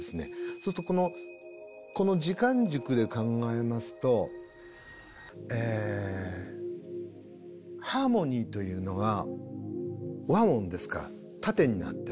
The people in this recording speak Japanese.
そうするとこの時間軸で考えますとハーモニーというのは和音ですから縦になってます。